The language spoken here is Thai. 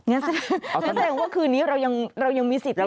นี่แสดงว่าคืนนี้เรายังมีสิทธิ์ที่จะฝัน